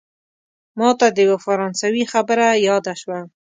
ماته د یوه فرانسوي خبره یاده شوه.